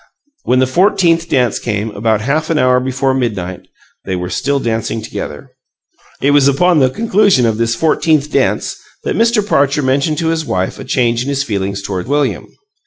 When the fourteenth dance came, about half an hour before midnight, they were still dancing together. It was upon the conclusion of this fourteenth dance that Mr. Parcher mentioned to his wife a change in his feelings toward William.